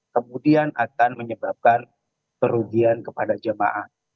kemudian akan menyebabkan kerugian kepada jemaah